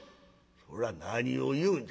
「こら何を言うんじゃ。